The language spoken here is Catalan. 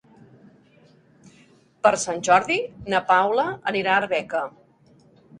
Per Sant Jordi na Paula anirà a Arbeca.